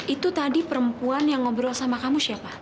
itu tadi perempuan yang ngobrol sama kamu siapa